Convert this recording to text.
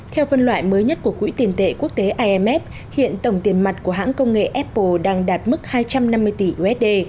theo phân loại mới nhất của quỹ tiền tệ quốc tế imf hiện tổng tiền mặt của hãng công nghệ apple đang đạt mức hai trăm năm mươi tỷ usd